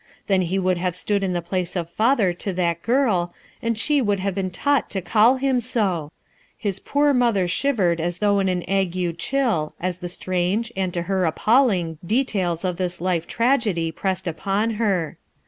Then he would have stood in the place of father to that girl, and she would have been taught to call him sol His poor mother shivered as though in an ague chill as the strange, and to her appalling, details of this life tragedy pressed upon her.